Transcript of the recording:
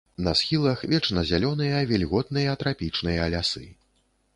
На схілах вечназялёныя вільготныя трапічныя лясы.